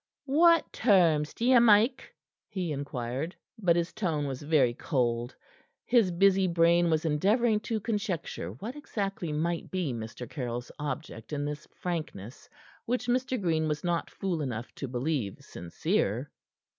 "What terms d'ye make?" he inquired, but his tone was very cold. His busy brain was endeavoring to conjecture what exactly might be Mr. Caryll's object in this frankness which Mr. Green was not fool enough to believe sincere.